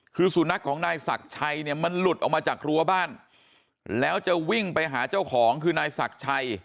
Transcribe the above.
คือสุนัขของนายศักดิ์ชัยเนี่ยมันหลุดออกมาจากรั้วบ้านแล้วจะวิ่งไปหาเจ้าของคือนายศักดิ์ชัย